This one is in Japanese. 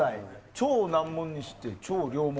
超難問にして超良問。